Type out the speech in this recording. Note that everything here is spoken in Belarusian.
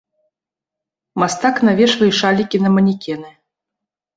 Мастак навешвае шалікі на манекены.